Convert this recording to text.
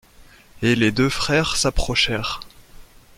Et les deux frères s'approchèrent.